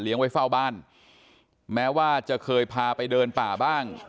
ไว้เฝ้าบ้านแม้ว่าจะเคยพาไปเดินป่าบ้าง